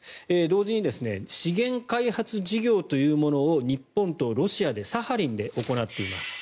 同時に資源開発事業というものを日本とロシアでサハリンで行っています。